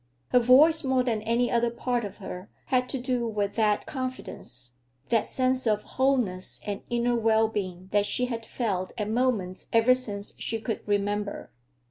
Her voice, more than any other part of her, had to do with that confidence, that sense of wholeness and inner well being that she had felt at moments ever since she could remember.